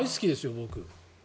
僕。